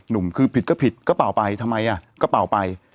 หนุ่มคือผิดก็ผิดก็เป่าไปทำไมอ่ะก็เป่าไป